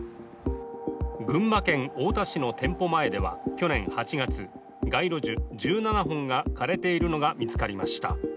群馬県太田市の店舗前では去年８月街路樹１７本が枯れているのが見つかりました。